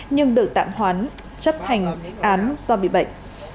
nhưng được tạm hoán chấp hành án do bị bệnh